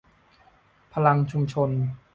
พลังชุมชน